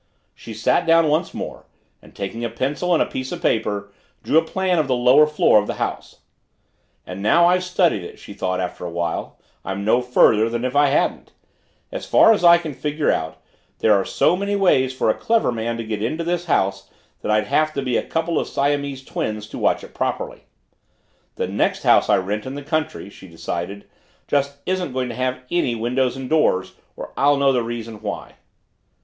She sat down once more, and taking a pencil and a piece of paper drew a plan of the lower floor of the house. And now I've studied it, she thought after a while, I'm no further than if I hadn't. As far as I can figure out, there are so many ways for a clever man to get into this house that I'd have to be a couple of Siamese twins to watch it properly. The next house I rent in the country, she decided, just isn't going to have any windows and doors or I'll know the reason why.